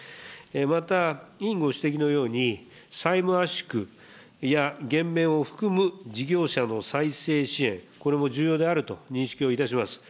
また、委員ご指摘のように、債務圧縮、減免を含む事業者の再生支援、これも重要であると認識をいたします。